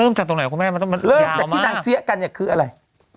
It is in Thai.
เริ่มจากตรงไหนครับคุณแม่เริ่มจากที่นางเซี้ยกันคืออะไร